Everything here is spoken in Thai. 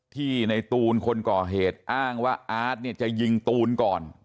ที่ในตูนคนก่อเหตุอ้างว่าอาร์ตเนี่ยจะยิงตูนก่อน